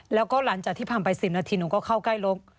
แล้วก็หลังจากที่ผ่านไป๑๐นาทีหนูก็เข้าใกล้ลก